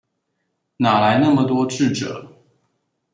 哪來那麼多智者